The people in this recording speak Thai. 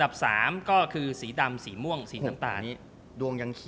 ผมถึงบอกสูตรสีมาก